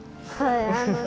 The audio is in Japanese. はい。